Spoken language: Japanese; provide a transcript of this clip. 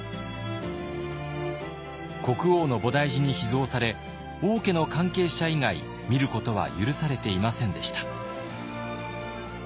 国王の菩提寺に秘蔵され王家の関係者以外見ることは許されていませんでした。